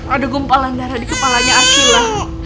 ada gumpalan darah di kepalanya akila